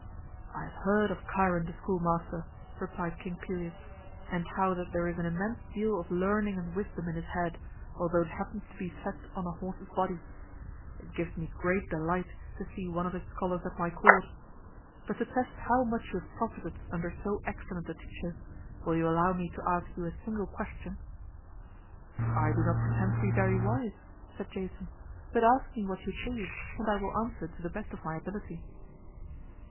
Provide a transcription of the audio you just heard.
"I have heard of Chiron the schoolmaster," replied King Pelias, "and how that there is an immense deal of learning and wisdom in his head, although it happens to be set on a horse's body. It gives me great delight to see one of his scholars at my court. But to test how much you have profited under so excellent a teacher, will you allow me to ask you a single question?" "I do not pretend to be very wise," said Jason; "but ask me what you please and I will answer to the best of my ability."